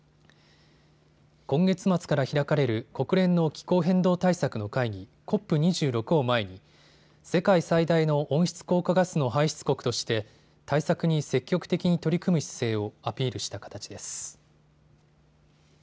今月末から開かれる国連の気候変動対策の会議、ＣＯＰ２６を前に世界最大の温室効果ガスの排出国として対策に積極的に取り組む姿勢をアピールした形です。